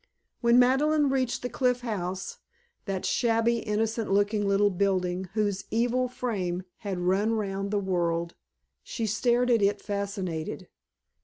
When Madeleine reached the Cliff House, that shabby innocent looking little building whose evil fame had run round the world, she stared at it fascinated.